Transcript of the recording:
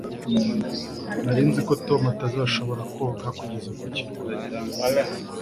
nari nzi ko tom atazashobora koga kugeza ku kirwa